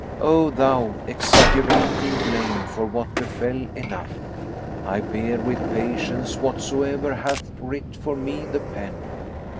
O thou, exaggerating blame for what befel, enough * I bear with patience whatsoe'er hath writ for me the Pen!